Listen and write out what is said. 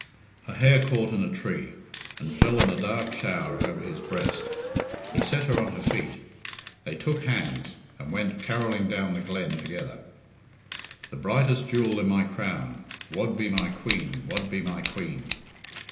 Her hair caught in a tree, and fell in a dark shower over his breast. He set her on her feet; they took hands, and went carolling down the glen together: "The brightest jewel in my crown, Wad be my queen, wad be my queen."